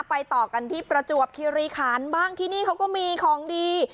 ต่อกันที่ประจวบคิริคันบ้างที่นี่เขาก็มีของดี